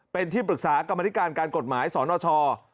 เป็นที่ปรึกษากรรมนิการการกฎหมายสนช